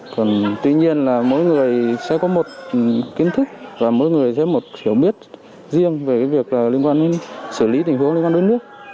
tuy nhiên là mỗi người sẽ có một kiến thức và mỗi người sẽ có một hiểu biết riêng về việc liên quan đến sử lý tình huống liên quan đến đối nước